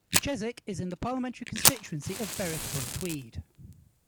Cheswick is in the parliamentary constituency of Berwick-upon-Tweed.